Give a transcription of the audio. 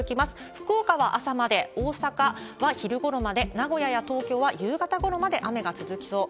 福岡は朝まで、大阪は昼ごろまで、名古屋や東京は夕方ごろまで雨が続きそう。